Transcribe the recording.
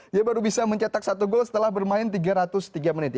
dia baru bisa mencetak satu gol setelah bermain tiga ratus tiga menit